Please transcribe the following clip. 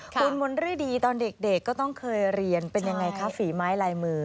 คุณมนฤดีตอนเด็กก็ต้องเคยเรียนเป็นยังไงคะฝีไม้ลายมือ